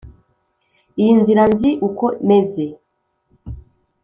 iyi nzira, nzi uko meze.